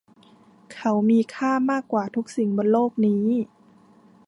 เขามีค่ามากกว่าทุกสิ่งบนโลกนี้